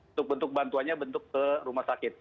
untuk bentuk bantuannya bentuk ke rumah sakit